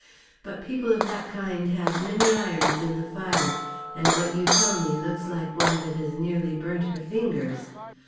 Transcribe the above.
But people of that kind have many irons in the fire, and what you tell me looks like one that has nearly burnt her fingers.